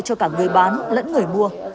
cho cả người bán lẫn người mua